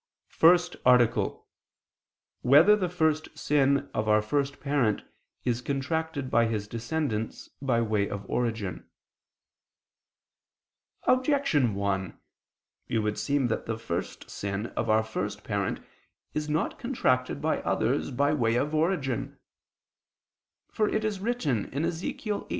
________________________ FIRST ARTICLE [I II, Q. 81, Art. 1] Whether the First Sin of Our First Parent Is Contracted by His Descendants, by Way of Origin? Objection 1: It would seem that the first sin of our first parent is not contracted by others, by way of origin. For it is written (Ezech.